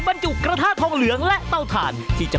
ถ้าซื้อพันเพื่อค่านมนี่หนักเลยครับ